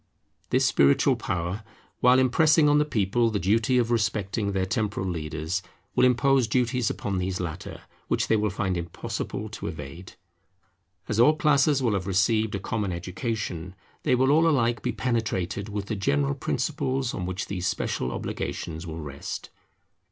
This spiritual power, while impressing on the people the duty of respecting their temporal leaders, will impose duties upon these latter, which they will find impossible to evade. As all classes will have received a common education, they will all alike be penetrated with the general principles on which these special obligations will rest.